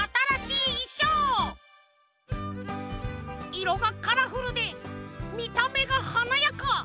いろがカラフルでみためがはなやか！